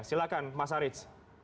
silahkan mas haris